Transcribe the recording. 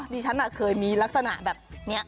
ดิฉันเคยมีลักษณะแบบนี้